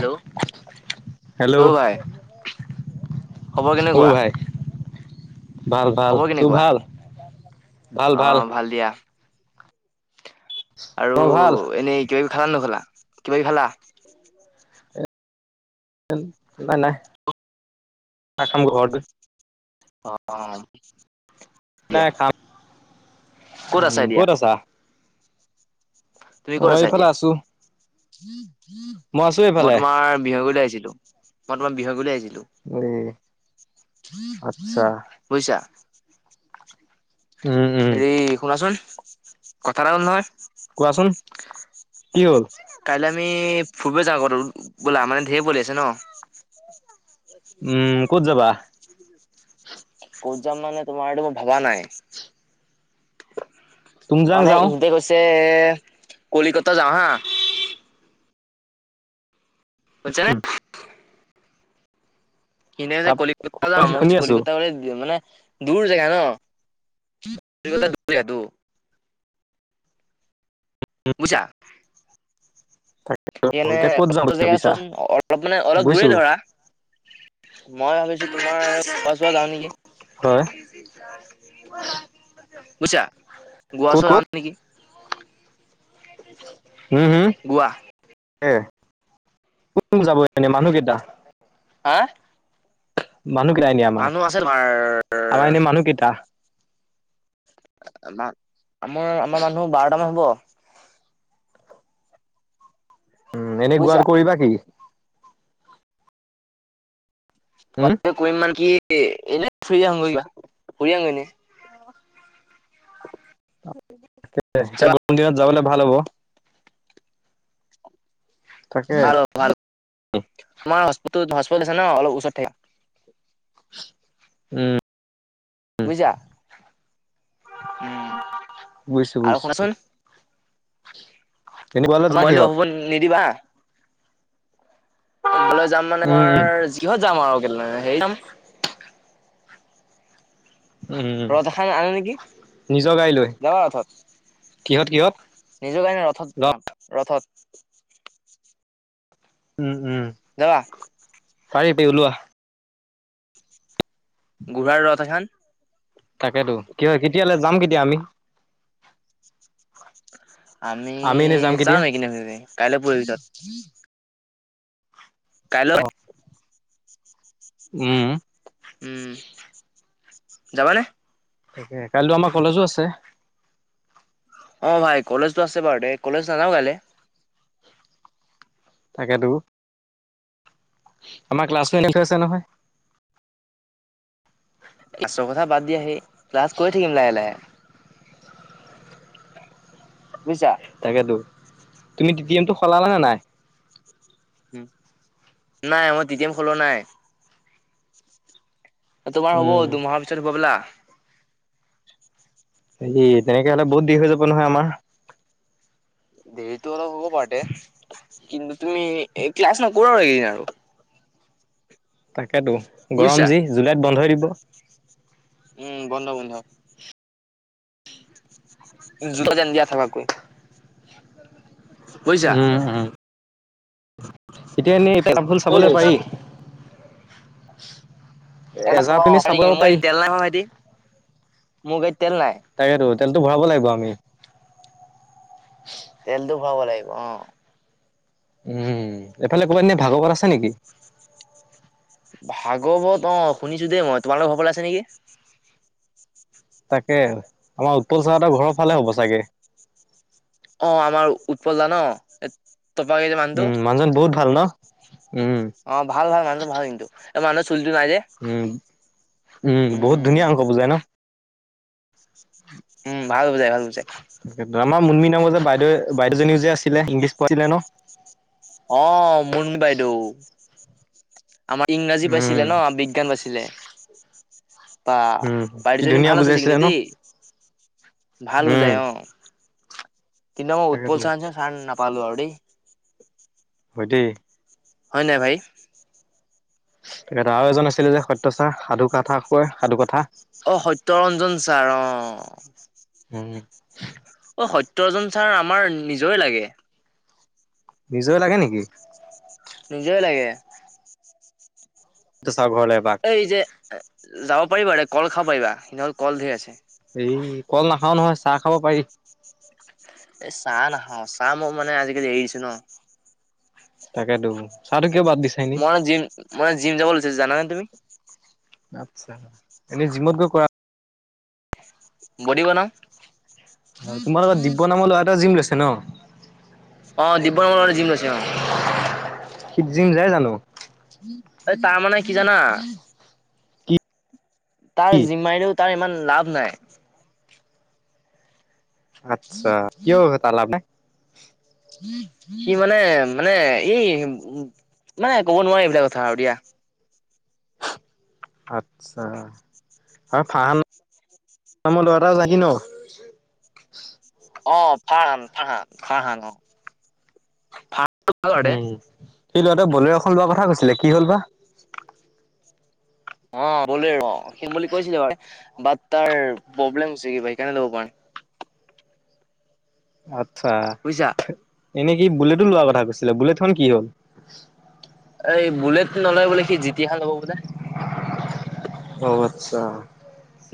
Hello hello. অ ভাই খবৰ অ কেনেকুৱা? ভাই ভাল ভাল খবৰ তোৰ কেনেকুৱা ভাল? ভাল ভাল। [unintelligible] আৰু মোৰ ভাল এনেই কিবা খালা নখালা কিবি খালা। ন নাই নাই চাহ খাম ঘৰত গৈ। অ। দিয়া নাই খাম উ ক'ত আছা? অ এইফালে আছো। উম। আছো উ মই এইফালে তোমাৰ বিহ কৰিল আহিছো। ো ব্তমাৰ বিহয় গ আহিছিলো। এ আচ্ছা বুজিছা। উম উম হেৰি শুনাচোন। কথাটা হ'ল নহয়। কোৱাচোন। কি হ'ল? কাইলৈ আমি ফুৰিব যাওঁ ক'ত বোলা মানে ধেৰ পলি আছে ন। উম ক'ত যাবা? ক'ত যাম মানে তোমাৰ এইটো মই ভবা নাই। তুমজাং মানে যাওঁ ইহঁতে গৈছে। কলিকতা যাওঁ হা। কছনে। সনে যে তাৰ কলিকতা যে আম হ শুনি আছো কলিকতা ব মানে। দূৰ জেগা ন ক দটো। বুজা। এতিয়া ক'ত যাওঁ বুলি সেইকাৰানে জেগা ভাবিছা চোৱাচোন অলপ মানে অলপ দূৰে বুজিছো ধৰা মই ভাবিছো তোমাৰ খোৱা চোৱা যাও নেকি ব বুজা গোৱা চ আ নেকি উ উম হম গোৱা উ কোন যাব এনে মানুহকেইটা হা আমাৰ মানুহ আছে তোমাৰ আমাৰ এনে মানুহ কেইটা ম আমাৰ আমাৰ মানুহ বাৰটাম হব [unintelligible] উম এনে বুজিছা গোৱাৰ কৰিবা কি উম ত কৰিম মান কি এনে ফুৰি আহোগৈ কিবা ফুৰি আহোগৈ এতিয়া গৰম দিনত যাবলৈ ভাল হ'ব অ তাকে ভাল ভাল তোমাৰ হস্পিতে আছে ন অলপ ওচৰত থ উম বুজিছা উ বুজিছো আৰু বুজিছো শুনাচোন এনেকুৱালে যা মইলৈো হ কিহত হব নিদিবা তোমাললৈ যাম মানে উম উম তমাৰ যিহত যাম আৰু েই ন উম উ ৰথ এখন আনো নেকি নিজৰ গাই লৈ যাবা ৰথত কিহত কিহত নিজৰ কাৰণে ৰথত ল যাম ৰথত উম উম যাবা পাৰি পি ওলোৱাা গুঢ়াৰ ৰথ এখন তাকেতো কি হয় কেতিয়ালৈ যাম কেতিয়া আমি [unintelligible] আমি যাম এইকেইদিনৰ কাইলৈ পৰ ভিিতৰত হম কাইলৈ- উম। উম যাবানে? তাকে কাইলেটো আমাৰ কলেজো আছে? অ ভাই কলেজতো আছে বাৰু দে কলেজ নাযাও কাইলে। তাকেতো। আমাৰ ক্লাছমেট [unintelligible] আছে নহয় ক্লাছৰ কথা বাদ দিয় আহি ক্লাছ কৰি থাকিম লাহে লাহে। বুজিছা? তাকেতো তুমি [unintelligible] এমটো সলালা নে নাই নাই মই [unintelligible] খল নাই তোমাৰ হ'ব উম দুমাহৰ পিছত হব বলা। হে তেনেকে হলে বহুত দেৰি হৈ যাব নহয় আমাৰ? দেৰিতটো অলপ হব পতে কিন্তু- তুমি ক্লছ ন- [unintelligible] তাকেতো গৰম বুজিছা যি জুলাইত বন্ধই দিব। উম বন্ধ বন্ধ। জোতা যেন দিয়া থবাকৈ- বুজিছা উম উম এতিয়া এনেই এটা চাপ ফুল মোৰ চাবলৈ গাড়ীত পাৰি। [inaudible] এজাৰ পিনি চাব পাৰি [unintelligible] মু গৰীত তেল নাই? তাকেতো তেলটো ভৰাব লাগিব আমি। তেলটো খুৱাব লাগিব অ। উম এইফালে কোনবাদিনে ভাৰ্গৰ আছে নেকি? ভাগৱত অ শুনিছো দেই মই তোমালোকৰ ঘৰ পাল আছে নেকি? তাকে আমাৰ উৎপল চাৰ হতৰ ঘৰৰ ফালে হ'ব চাগে। অ আমাৰ উৎপল দা ন? এ [unintelligible] উম মানুহজন বহুত ভাল ন? উম, অ ভাল ভাল মানুহটো ভাল কিন্তু- মানচ উম উম বহুত ধুনীয়া অংক বুজাই ন? উম ভাল বুজাই ভাল। বুজাই আমাৰ মুমি নামৰ যে বাইদেউ বাইদেউ এজনীও যে আছিলে ইংলিছ- প ল ন অঁ মুনমী বাইদেউ [unintelligible] আমাৰ ইংৰাজী উম, পাইছিলে ন বিজ্ঞান বাছিলে [unintelligible] পা উম, কি পাৰিজনী ধুনীয়া ভাল আছে বুজাইছিলে কিন্তু ন? দেই ভাল উম, বুজাই অ কিন্তু মই উৎপল তাকেতো ছাৰ ছাৰ নাপ পালো আৰু দেই হয় দেই হয় নাই ভাই তাকে আৰু এজন আছিলে যে সত্য ছাৰ সাধু কথা কয় সাধু কথা অ সত্য ৰঞ্জন ছাৰ অ উম অ সত্যজন ছাৰ আমাৰ নিজৰে লাগে নিজয় লাগে নেকি নিজয়ে লাগে ছাৰৰ ঘৰলে এপাক? এই যে যাব পাৰিবা কল খাব পাৰিবা সিহ'লে কল ধেৰ আছে এই কল নাখাওঁ নহয় চাহ খাব পাৰি এই চাহ নাখাওঁ চাহ মই মানে আজিকালি এৰি দিছো ন তাকে তো মই মানে জিম জিম যাব বুলিছে জানা নে তুমি উ [unintelligible] আচ্ছা এনেই জিমত গৈ কৰা বডি বনাও। তোমাৰ লগত দিব্য নামৰ ল'ৰা এটা জিম লৈছিল ন অ দিব্যন মলে জিম লৈছে অ সি জিম যাই জানো অ তাৰ মানে কি জানা কি? তাৰ জিমা মাইনত তাৰ ইমান লাভ নাই আচ্ছা কিয় তাৰ লাভ নাই কি মানে মানে এই মানে ক'ব নোৱাৰে এইবিলাক কথা আৰু দিয়া আত আচ্ছা আৰু ফ্ৰান নাম লৰা এটা যাহি ন অ ফান ফান ফান অ ফ উম সেই ল'ৰাটোৱে বোলেৰো' এখন লোৱা কথা কৈছিল। অ' বোলেৰো। কিনিম বুলি কৈছিলে বাৰু। বাট তাৰ প্ৰব্লেম হৈছে কিবা সেইকাৰণে ল'ব পৰা নাই। ভাত। বুজিছা। চাহথ। এনে কি বুলেটটো লোৱাৰ কথা কৈছিলে, বুলেটখন কি হ'ল? বুলেট নলয় বোলে সি জি টি খন ল'ব বোলে। অ আচ্ছা।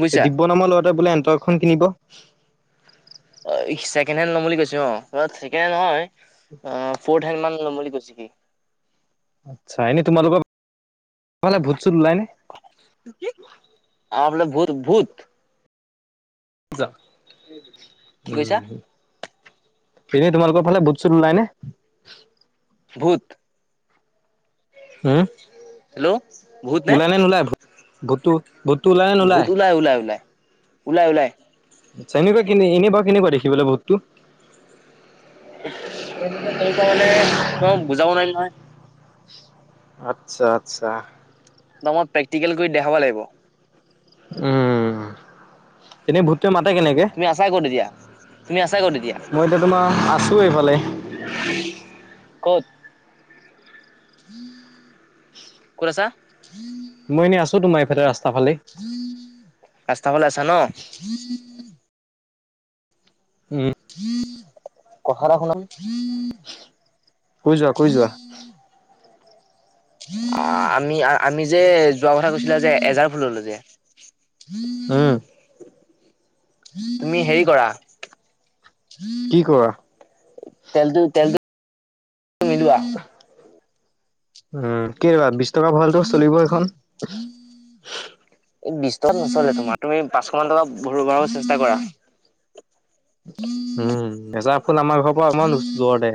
বুজিছা। দিব্য নামৰ ল'ৰাটোৱে বোলে এন্ত খন কিনিব। অ ছেকেণ্ড হেণ্ড ল'ম বুলি কৈছো অ। বাত ছেকেণ্ড হেণ্ড নহয়, ফৰ্থ হেণ্ড মান ল'ম বুলি কৈছে সি। আচ্ছা। এনে তোমালোকক তোমালে ভূত-চোত ওলাইনে? আমাৰ ফালে ভূত ভূত কজ [unintelligible] কি কৈছা উম। এনেই তোমালোকৰ ফালে ভূত-চোত ওলাইনে? ভূত? হো? হেল্ল'। ভূত নে? গুটু। ভূতটো ওলাই নে ভূত নোলাই? ওলাই ওলাই ওলাই ওলাই ওলাই। আচ্ছা। এনেকোৱা কেলে এনে বাৰু কেনেকুৱা দেখিবলৈ ভূতটো? তেনেকুৱা কেনেকুৱা মানে তোমাক বুজাব নোৱাৰিম নহয়। আচ্ছা আচ্ছা। আমাক প্ৰেক্টিকেল কৰি দেখাব লাগিব। উম এনেই ভূত তুমি আছা ক'ত এতিয়া? তুমি আছা ক'ত এতিয়া? মই তোমাৰ আছো এইফালে। ক'ত? ক'ত আছা? মই এনেই আছো তোমাৰ এইফালে, ৰাস্তা ফালে। ৰাস্তা ফালে আছা ন উম। [inaudible] কথা এটা শুনাচোন। কৈ যোৱাা কৈ যোৱা। অ আমি আমি যে যোৱা কথা কৈছিলো যে এজাৰ ফুললে যে। হম। [inaudible] তুমি হেৰি কৰা- কি কোৱা? তেলটো, তেলটো মিলোৱা- উম কি [unintelligible] [unintelligible] ভালটো চলিব এইখন? তত নচলে তোমাৰ তুমি পাঁচশ মান টকা ভৰ ভৰাব চেষ্টা কৰা। উম এছাঁ ফুল আমাৰ ঘৰৰ পৰা অকমান ওচৰত দে।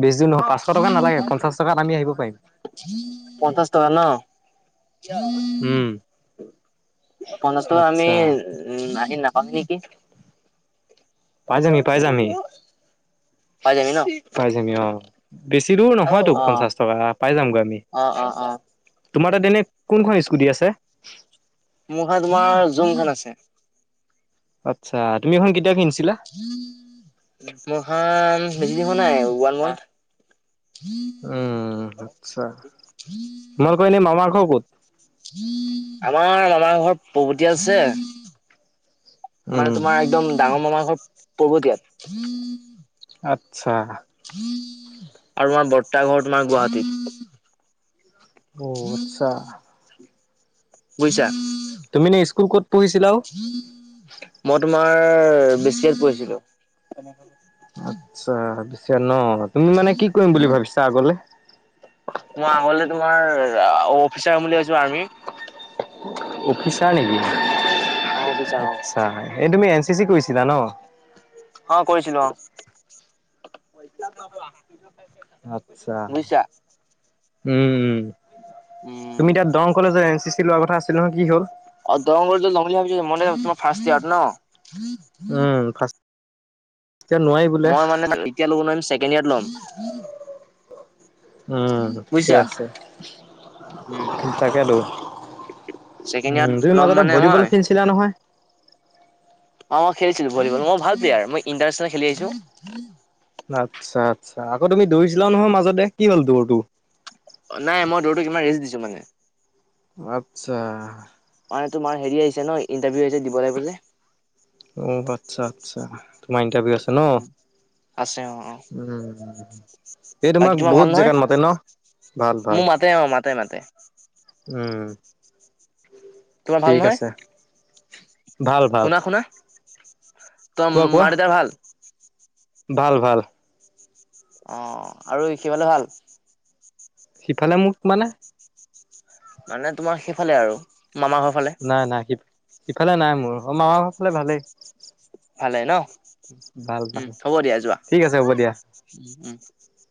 বেছি নহয় পাঁশ টকা নালাগে পঞ্চাছ টকাত আমি আহিব পাৰিম। পঞ্চাশ টকা ন, উম, পঞ্চাশ টকা আমি আচ্ছা উ- আহি নাপাম নেকি? পাই যামি পাই যামি পাই যাবি ন পাই যামি অ। বেছি দূৰ অ নহয়তো পঞ্চাছ অ টকা- অ অ তোমাৰ তাত তেনে - সুধি আছে। মোৰ খান তোমাৰ জুং খান আছে আচ্ছা তুমি এখন কেতিয়া কিনিছা? মহান- বেছি দিন হোৱা নাই ওৱান মণ্ঠ। উম আচ্ছা তোমালোক এনেই মামাৰ ঘৰ ক'ত? আমাৰ আমাৰ ঘৰত প্ৰভতি আছে- মানে উম তোমাৰ একদম ডাঙৰ মামাৰ ঘৰ - পূৰ্বতিয়াত। আচ্ছা। আৰু তোমাৰ বৰ্তা ঘৰ তোমাৰ গুৱাহাটীত। অ আচ্ছা। বুজিছা। তুমি নে স্কুল ক'ত পঢ়িছিলাও? [unintelligible] পৰিছিলো। আৰ্টছ [unintelligible] মই আগলে তোমাৰ- অফিচাৰ বুলি ভাবিছোঁ আৰ্মি। অফিচাৰ নেকি? অ, বিচাৰ অ। আচ্ছা এই তুমি এন চি চি কৰিছিলা ন? অ, কৰিছিলো অ। আচ্ছা শুনি চা উম উম তুমি এতিয়া দৰং কলেজত এন চি চি লোৱা কথা আ এনেকুৱা কি হ অ দৰং কলেজত ল'ম বুলি ভাবিছিলো মই তোমাৰ ফাৰ্ষ্ট ইয়াৰ্ড ন? উম ফাৰ্ষ্ট [unintelligible] এতিয়া নোৱাৰি বোলে মই মানে এতিয়া ল'ব নোৱাৰিম ছেকেণ্ড ইয়াৰত ল'ম। [unintelligible] উম', ঠিকে বুজিছা আছে। উম তাকেতো, ছেকেণ্ড ইয়াৰত উম, তুমি ল'ম মাজতে মানে ভলীবল মই খেলিছিলা নহয়। অ, খেলিছিলো ভলীবল। মই ভাল প্লেয়াৰ, মই ইণ্টাৰনেশ্যনেল খেলি আহিছো। আচ্ছা আকৌ তুমি দৌৰিছিলাও নহয় মাজতে কি হ'ল দৌৰটো? তু মানে আচ্ছা। মানে তোমাৰ হেৰি আহিছে ন, ইণ্টাৰভিউছে দিব লাগিব যে। অ', আচ্ছা আচ্ছা। তোমাৰ ইন্টাৰভিউ উম, আছে অ, অ। উম এই বাকী তোমাক তোমাৰ বহুত ভাল নহয়। জেগাত মাতে ন ভাল ভাল মোক মাতে আৰু মাতে মাতে। উম। তোমাৰ ভাল ঠিক আছে ভাল নহয়। ভাল শুনা শুনা, কোৱা তোমাৰ কোৱা মাৰ দেউতাৰ ভাল। ভাল ভাল অ, আৰু ভাল। সিফালে মোক মানে মানে তোমাৰ সেইফালে আৰু। মামাৰ ঘৰ ফালে। ইফালে নাই মোৰ। অ, মামাৰ ঘৰ ফালে ভালেই। ভালে ন। ভাল উম, ভাল হ'ব দিয়া যোৱা ঠিক আছে হ'ব দিয়া। উম। [unintelligible]